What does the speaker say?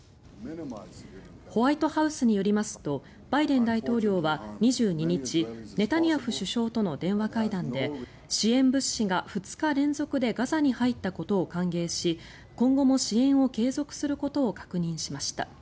ホワイトハウスによりますとバイデン大統領は２２日ネタニヤフ首相との電話会談で支援物資が２日連続でガザに入ったことを歓迎し今後も支援を継続することを確認しました。